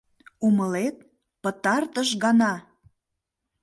Умылет: пытартыш гана!